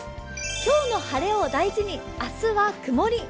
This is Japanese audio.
今日の晴れを大事に、明日は曇り。